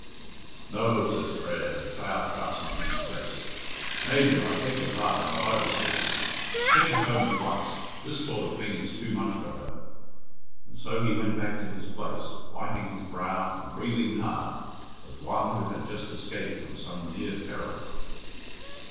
"No," says Frere, the cloud passing from his face. "Major, I beg your pardon, but I was hasty. Take her home at once. This sort of thing is too much for her." And so he went back to his place, wiping his brow, and breathing hard, as one who had just escaped from some near peril.